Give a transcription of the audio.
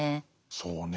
そうね。